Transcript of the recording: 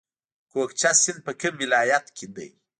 کوکچه سیند په کوم ولایت کې دی؟